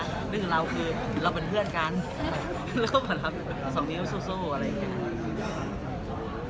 นึกถึงเราคือเราเป็นเพื่อนกันแล้วก็แบบสองนิ้วสู้อะไรอย่างนี้นะ